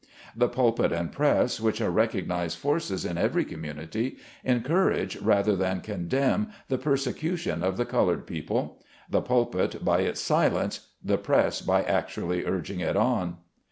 The pulpit and press, which are recognized forces in every community, encourage, rather than condemn, the persecution of the colored people ; the pulpit by its silence, the press by actually urging it on.